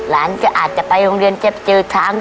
ล้านอาจจะไปโรงเรียนเจ็บเจือทั้ง